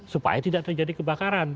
supaya tidak terjadi kebakaran